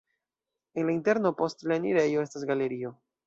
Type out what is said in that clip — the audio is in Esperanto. En la interno post la enirejo estas galerio.